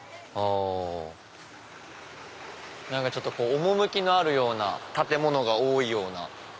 何か趣のあるような建物が多いような。